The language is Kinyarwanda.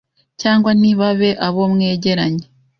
cyangwa ntibabe abo mwegeranye,